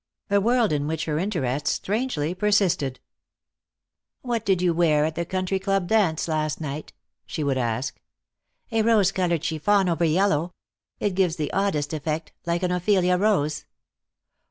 A world in which her interest strangely persisted. "What did you wear at the country club dance last night?" she would ask. "A rose colored chiffon over yellow. It gives the oddest effect, like an Ophelia rose."